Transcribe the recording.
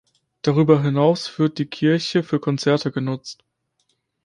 Darüber hinaus wird die Kirche für Konzerte genutzt.